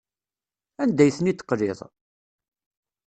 Anda ay ten-id-teqliḍ?